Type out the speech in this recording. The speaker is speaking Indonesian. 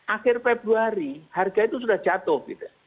akhir februari harga itu sudah jatuh gitu